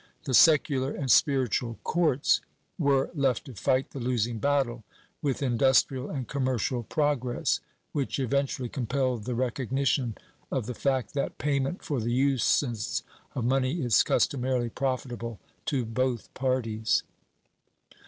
^ The secular and spiritual courts were left to fight the losing battle with industrial and commercial pro gress, which eventually compelled the recognition of the fact that payment for the usance of money is customarily profitable to both parties.